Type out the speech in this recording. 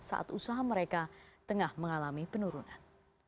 saat usaha mereka tengah mengalami penurunan